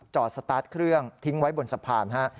สตาร์ทเครื่องทิ้งไว้บนสะพานฮะ